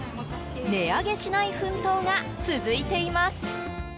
値上げしない奮闘が続いています。